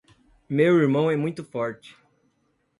Meu irmão é muito forte.